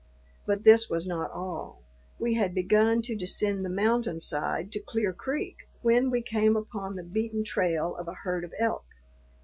But this was not all. We had begun to descend the mountain side to Clear Creek when we came upon the beaten trail of a herd of elk.